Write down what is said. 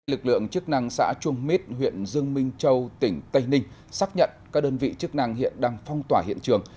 lực lượng chức năng xã chuông mít huyện dương minh châu tỉnh tây ninh xác nhận các đơn vị chức năng hiện đang phong tỏa hiện trường